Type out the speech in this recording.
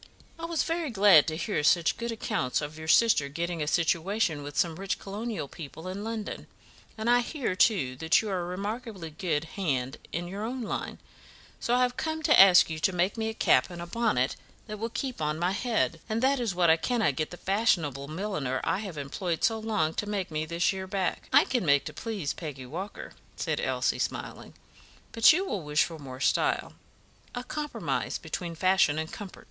I was very glad to hear such good accounts of your sister getting a situation with some rich colonial people in London; and I hear, too, that you are a remarkably good hand in your own line, so I have come to ask you to make me a cap and a bonnet that will keep on my head; and that is what I cannot get the fashionable milliner I have employed so long to make me this year back." "I can make to please Peggy Walker," said Elsie, smiling; "but you will wish for more style a compromise between fashion and comfort."